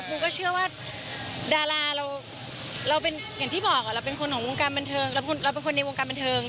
ปูก็เชื่อว่าดาราเราอย่างที่บอกเราเป็นคนในวงการบรรเทิง